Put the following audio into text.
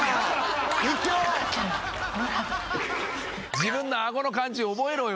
自分のあごの感じ覚えろよ。